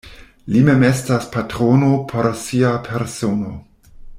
Li mem estas patrono por sia persono.